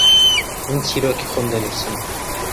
من چیرۆکی خۆم دەنووسم.